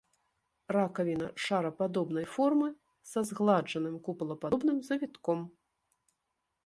Ракавіна шарападобнай формы са згладжаным купалападобным завітком.